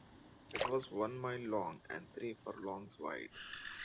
It was one mile long and three furlongs wide.